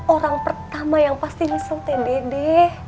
orang pertama yang pasti ngesel teh dede